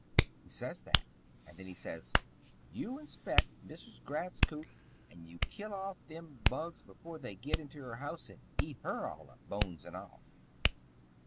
He says that, and he says, 'You inspect Mrs. Gratz's coop, and you kill off them bugs before they git into her house and eat her all up bones and all.'"